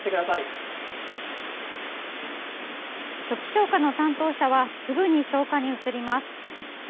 初期消火の担当者はすぐに消火に移ります。